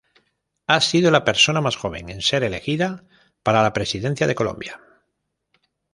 Ha sido la persona más joven en ser elegida para la presidencia de Colombia.